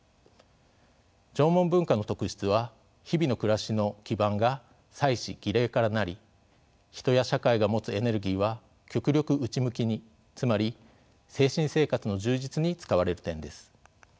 縄文文化の特質は日々の暮らしの基盤が祭祀・儀礼からなり人や社会が持つエネルギーは極力内向きにつまり精神生活の充実に使われる点です。